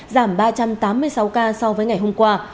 giảm ba trăm tám mươi sáu ca so với ngày hôm qua